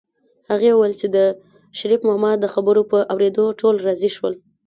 هغې وویل چې د شريف ماما د خبرو په اورېدو ټول راضي شول